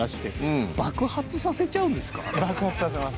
爆発させます。